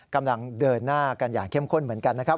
กำลังเดินหน้ากันอย่างเข้มข้นเหมือนกันนะครับ